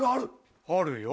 あるよ。